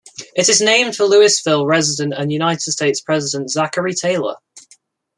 It is named for Louisville resident and United States President Zachary Taylor.